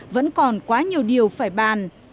vẫn còn quá nhiều điều phải bàn